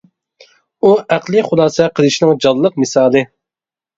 ئۇ ئەقلىي خۇلاسە قىلىشنىڭ جانلىق مىسالى.